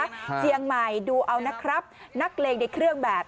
เชียงใหม่ดูเอานะครับนักเลงในเครื่องแบบ